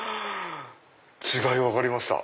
違い分かりました。